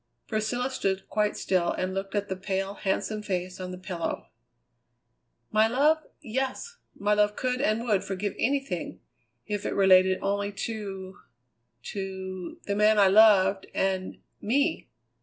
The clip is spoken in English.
Priscilla stood quite still and looked at the pale, handsome face on the pillow. "My love yes; my love could and would forgive anything, if it related only to to the man I loved and me!"